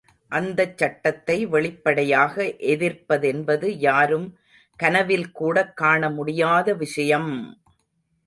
அந்தச் சட்டத்தை வெளிப்படையாக எதிர்ப்பதென்பது யாரும் கனவில் கூடக்காண முடியாத விஷயம்!